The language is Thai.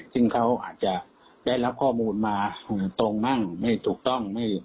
ซึ่งเขาอาจจะได้รับข้อมูลมาตรงมั่งไม่ถูกต้อง